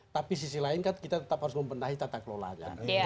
tapi sisi lain kan kita tetap harus membenahi tata kelolanya